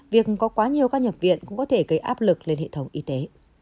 việc có quá nhiều ca nhập viện cũng có thể gây áp lực lên hệ thống y tế